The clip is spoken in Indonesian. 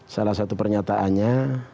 salah satu pernyataannya